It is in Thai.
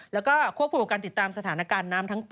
แล้วก็ควบคุมกับการติดตามสถานการณ์น้ำทั้ง๘